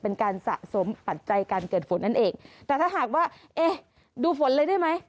เป็นการสะสมปัจจัยการเกิดฝนนั่นเองแต่ถ้าหากว่าเอ๊ะดูฝนเลยได้ไหม